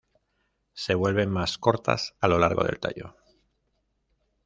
Se vuelven más cortas a lo largo del tallo.